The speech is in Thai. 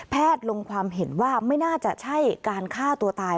ลงความเห็นว่าไม่น่าจะใช่การฆ่าตัวตาย